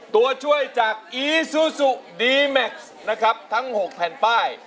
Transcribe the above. ตัวช่วยจากอีซูซูดีแม็กซ์นะครับทั้ง๖แผ่นป้าย